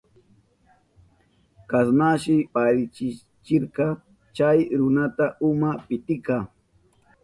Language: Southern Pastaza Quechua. Chasnashi parisichirka chay runata uma pitika.